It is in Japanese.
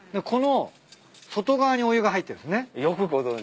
この外側にお湯が入ってるんすね。